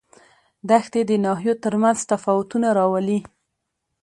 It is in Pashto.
دښتې د ناحیو ترمنځ تفاوتونه راولي.